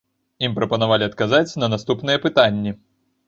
Ім прапанавалі адказаць на наступныя пытанні.